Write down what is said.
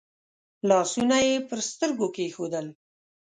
لاسونه يې پر سترګو کېښودل.